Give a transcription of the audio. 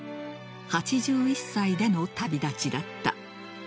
８１歳での旅立ちだった。